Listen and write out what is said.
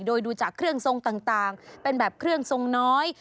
โดยดูจากเครื่องทรงต่างเป็นแบบเครื่องทรงน้อย